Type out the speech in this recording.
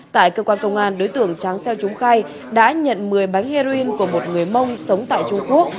tại cơ quan công an đối tượng tráng xeo trúng khai đã nhận một mươi bánh heroin của một người mông sống tại trung quốc